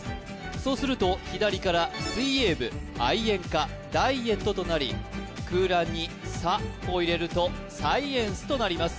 そうすると左から水泳部愛煙家ダイエットとなり空欄に「さ」を入れるとサイエンスとなります